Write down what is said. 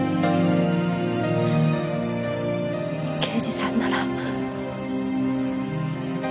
刑事さんなら。